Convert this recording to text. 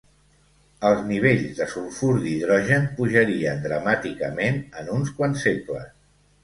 Els nivells de sulfur d'hidrogen pujarien dramàticament en uns quants segles.